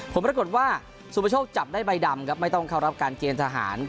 ผลปรากฏว่าสุประโชคจับได้ใบดำครับไม่ต้องเข้ารับการเกณฑ์ทหาร